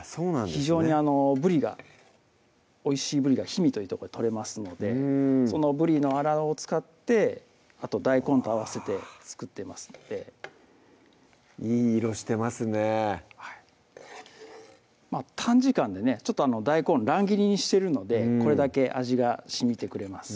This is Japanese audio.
非常にぶりがおいしいぶりが氷見というとこで取れますのでそのぶりのあらを使ってあと大根と合わせて作ってますのでいい色してますね短時間でねちょっと大根乱切りにしてるのでこれだけ味がしみてくれます